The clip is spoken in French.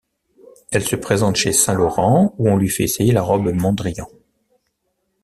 Elle se présente chez Saint Laurent où on lui fait essayer la robe Mondrian.